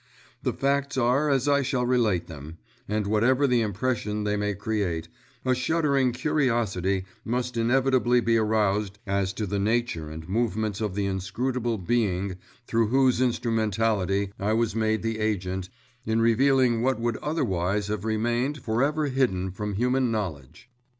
The facts are as I shall relate them, and whatever the impression they may create, a shuddering curiosity must inevitably be aroused as to the nature and movements of the inscrutable Being through whose instrumentality I was made the agent in revealing what would otherwise have remained for ever hidden from human knowledge.